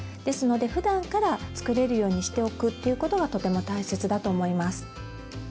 ですのでふだんから作れるようにしておくということがとても大切だと思います。